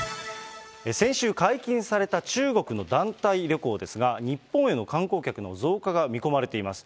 先週解禁された中国の団体旅行ですが、日本への観光客の増加が見込まれています。